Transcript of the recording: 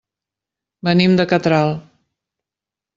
Venim de Catral.